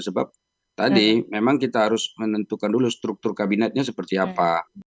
sebab tadi memang kita harus menentukan dulu struktur kabinetnya seperti apa